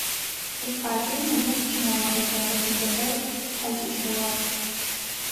Зулхъаджэ инэнэжъ пщынэо Ӏэзагъ, итэтэжъ пхъэкӀычэуагъ.